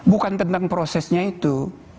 bukan tentang prosesnya itu